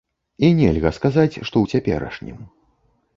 І нельга сказаць, што ў цяперашнім.